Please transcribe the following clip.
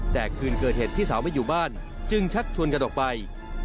แต่คืนเกิดเหตุพี่สาวไม่อยู่บ้านจึงชักชวนกันออกไป